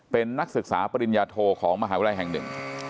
เป็นนักศึกษาปริญญาโทของมหาวิทยาลัยแห่งหนึ่ง